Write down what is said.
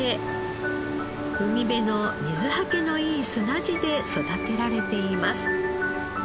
海辺の水はけのいい砂地で育てられています。